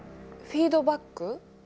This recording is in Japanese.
フィードバック？